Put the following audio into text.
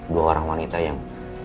dua orang wanita yang